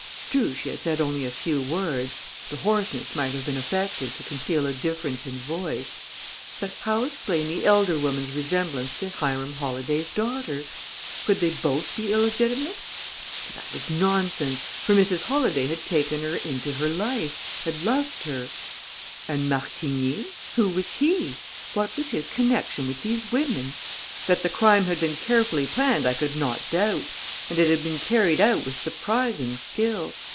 True, she had said only a few words the hoarseness might have been affected to conceal a difference in voice but how explain the elder woman's resemblance to Hiram Holladay's daughter? Could they both be illegitimate? But that was nonsense, for Mrs. Holladay had taken her into her life, had loved her And Martigny? Who was he? What was his connection with these women? That the crime had been carefully planned I could not doubt; and it had been carried out with surprising skill.